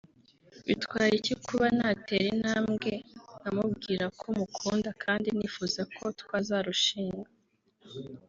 Bitwaye iki kuba natera intambwe nkamubwira ko mukunda kandi nifuza ko twazarushinga